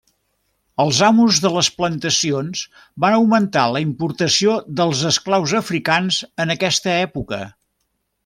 Els amos de les plantacions van augmentar la importació dels esclaus africans en aquesta època.